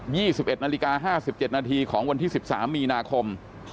ี่สิบเอ็ดนาฬิกาห้าสิบเจ็ดนาทีของวันที่สิบสามมีนาคม